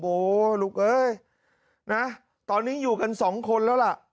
โอ้ลูกเอ้ยนะตอนนี้อยู่กันสองคนแล้วล่ะ